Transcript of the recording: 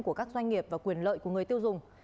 của các doanh nghiệp và quyền lợi của người tiêu dùng